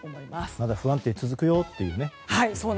まだ不安定が続くよっていう。